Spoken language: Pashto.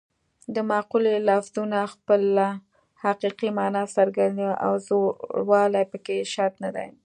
د مقولې لفظونه خپله حقیقي مانا څرګندوي او زوړوالی پکې شرط نه دی